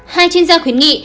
hai chuyên gia khuyến nghị